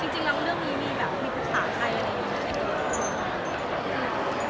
จริงแล้วเรื่องนี้มีแบบมีปรึกษาใครอะไรอย่างนี้